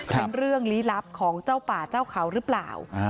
เป็นเรื่องลี้ลับของเจ้าป่าเจ้าเขาหรือเปล่า